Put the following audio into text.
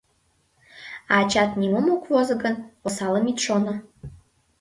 А ачат нимом ок возо гын, осалым ит шоно.